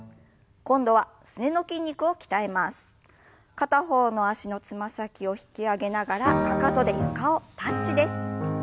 片方の脚のつま先を引き上げながらかかとで床をタッチです。